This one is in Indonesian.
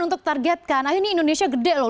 untuk targetkan akhirnya ini indonesia gede loh